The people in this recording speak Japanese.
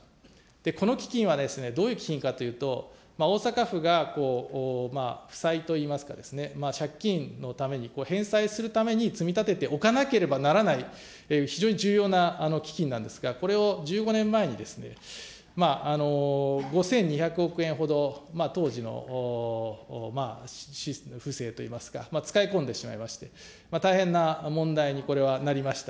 この基金はどういう基金かというと、大阪府が負債といいますかですね、借金のために、返済するために積立てておかなければならない非常に重要な基金なんですが、これを１５年前に５２００億円ほど、当時の府政といいますか、使い込んでしまいまして、大変な問題にこれはなりました。